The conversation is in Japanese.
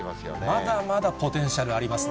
まだまだポテンシャルありますね。